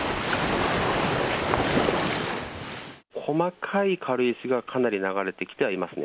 細かい軽石がかなり流れてきてはいますね。